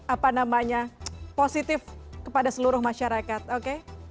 apa namanya positif kepada seluruh masyarakat oke